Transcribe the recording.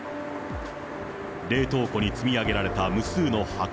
冷凍庫に積み上げられた無数の箱。